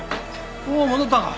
おう戻ったか。